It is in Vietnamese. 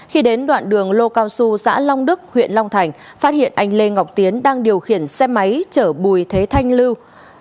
khi đến đoạn đường lô cao xu xã long đức huyện long thành phát hiện anh lê ngọc tiến đang điều khiển xe máy chở bùi thế thanh lưu